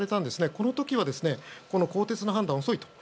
この時は、更迭の判断が遅いと。